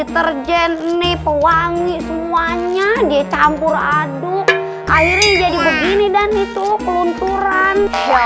terjenis pewangi semuanya dicampur aduk airnya jadi begini dan itu kelunturan